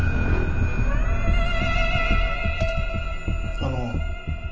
あの。